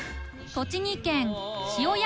栃木県塩谷